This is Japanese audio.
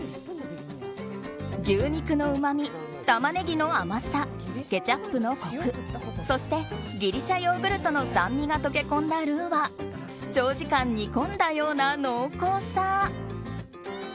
牛肉のうまみ、タマネギの甘さケチャップのコクそしてギリシャヨーグルトの酸味が溶け込んだルーは長時間煮込んだような濃厚さ。